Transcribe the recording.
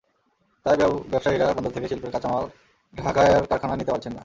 তাই ব্যবসায়ীরা বন্দর থেকে শিল্পের কাঁচামাল ঢাকার কারখানায় নিতে পারছেন না।